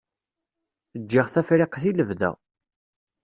Ǧǧiɣ Tafriqt i lebda.